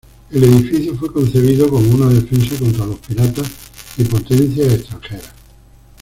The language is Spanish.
El edificio fue concebido como una defensa contra los piratas y potencias extranjeras.